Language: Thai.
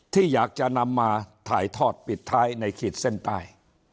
ที่อยากจะนำมาถ่ายทอดปิดท้ายในขีดเส้นใต้